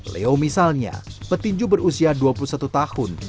leo misalnya petinju berusia dua puluh satu tahun